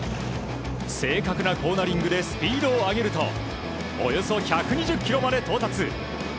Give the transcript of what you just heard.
正確なコーナリングでスピードを上げるとおよそ１２０キロまで到達。